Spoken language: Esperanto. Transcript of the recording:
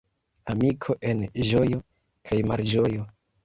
Amiko en ĝojo kaj malĝojo.